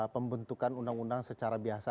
pembentukan undang undang secara biasa